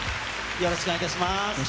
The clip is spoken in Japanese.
よろしくお願いします。